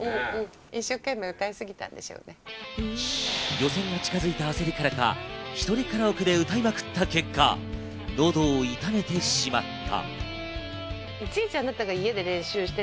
予選が近づいた焦りからか、一人カラオケで歌いまくった結果、喉を痛めてしまった。